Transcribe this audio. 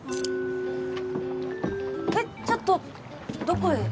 えっちょっとどこへ？